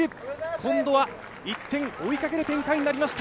今度は一転追いかける展開になりました。